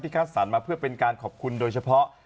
คัดสรรมาเพื่อเป็นการขอบคุณโดยเฉพาะ